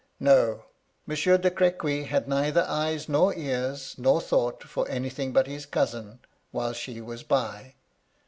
No 1 Monsieur de Crequy had neither eyes nor ears, nor thought for anything but his cousin, while she was by.